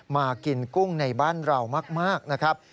มากินกุ้งในบ้านเรามากนะครับ